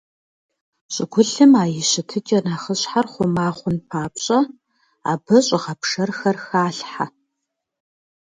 ЩӀыгулъым а и щытыкӀэ нэхъыщхьэр хъума хъун папщӀэ, абы щӀыгъэпшэрхэр халъхьэ.